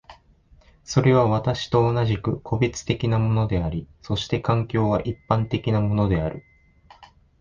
それは私と同じく個別的なものであり、そして環境は一般的なものである。